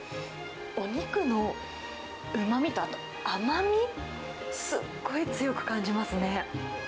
お肉のうまみと、あと甘み、すっごい強く感じますね。